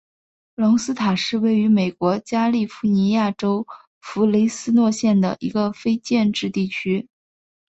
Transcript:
隆斯塔是位于美国加利福尼亚州弗雷斯诺县的一个非建制地区。